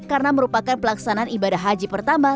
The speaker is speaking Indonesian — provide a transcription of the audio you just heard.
karena merupakan pelaksanaan ibadah haji pertama